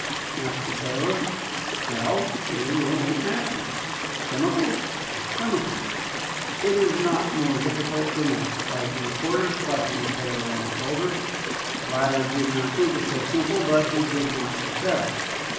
asked the sailor. "Well, we will make matches. "Chemicals?" "Chemicals!" "It is not more difficult than that," cried the reporter, striking the sailor on the shoulder. The latter did not think it so simple, but he did not protest.